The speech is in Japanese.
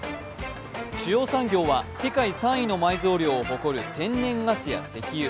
主要産業は世界３位の埋蔵量を誇る天然ガスや石油。